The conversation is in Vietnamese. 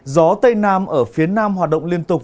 gió tây nam ở phía nam hoạt động liên tục